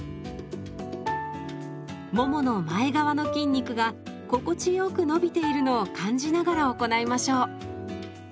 ももの前側の筋肉が心地よく伸びているのを感じながら行いましょう。